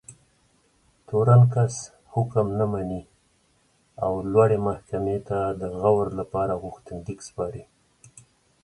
تورن کس حکم نه مني او لوړې محکمې ته د غور لپاره غوښتنلیک سپاري.